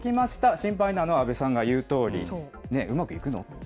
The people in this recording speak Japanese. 心配なのは阿部さんの言うとおり、うまくいくの？と。